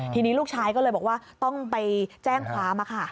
ทีนี้ลูกชายก็เลยบอกว่าต้องไปแจ้งความค่ะ